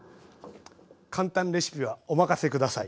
簡単レシピはお任せ下さい。